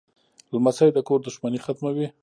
لمسی د کور دښمنۍ ختموي.